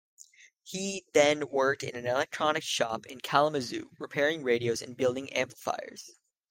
He then worked in an electronics shop in Kalamazoo, repairing radios and building amplifiers.